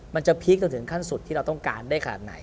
มันจะพีคจนถึงขั้นสุดที่เราต้องการได้ขนาดไหน